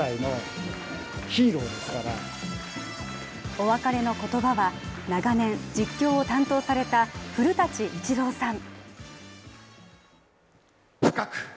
お別れの言葉は、長年実況を担当された古舘伊知郎さん。